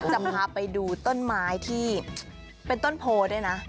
จะพาไปดูต้นไม้ที่เป็นต้นโพด้วยนะ